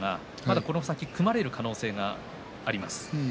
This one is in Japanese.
この先、組まれる可能性があります。